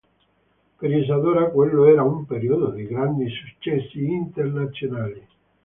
Per Isadora quello era un periodo di grandi successi internazionali.